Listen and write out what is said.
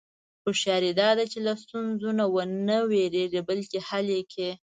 هوښیاري دا ده چې له ستونزو نه و نه وېرېږې، بلکې حل یې کړې.